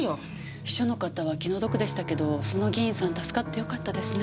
秘書の方は気の毒でしたけどその議員さん助かってよかったですね。